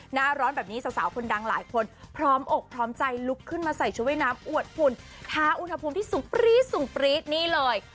หน้าร้อนแบบนี้สาวคนดังหลายคนพร้อมอกพร้อมใจลุกขึ้นมาใส่ชุดว่ายน้ำอวดฝุ่นท้าอุณหภูมิที่สูงปรี๊ดสูงปรี๊ดนี่เลย